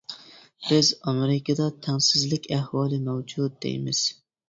بىز ئامېرىكىدا تەڭسىزلىك ئەھۋالى مەۋجۇت، دەيمىز.